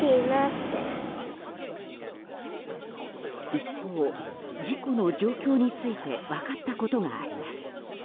一方、事故の状況について分かったことがあります。